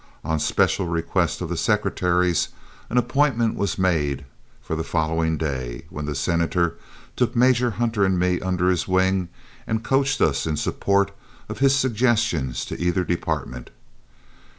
On special request of the Secretaries, an appointment was made for the following day, when the Senator took Major Hunter and me under his wing and coached us in support of his suggestions to either department.